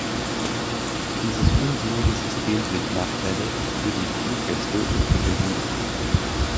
Dieses unsinnige System bringt Nachteile für die Fluggäste und für den Handel.